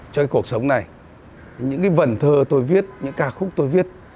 trong cuộc sống này những vần thơ tôi viết những ca khúc tôi viết